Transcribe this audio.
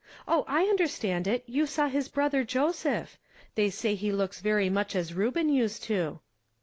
Oh, I understand it, you saw his brother Joseph ; they say he looks very much as Reuben used to."